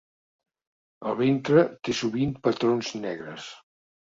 El ventre té sovint patrons negres.